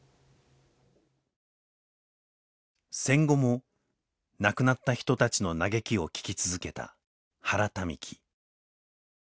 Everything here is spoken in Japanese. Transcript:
戦後も亡くなった人たちの嘆きを聞き続けた原民喜。